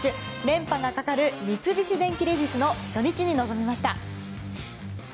連覇がかかる三菱電機レディスの初日に臨みました。